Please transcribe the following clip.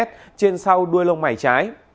trên sau đuôi lông mải trái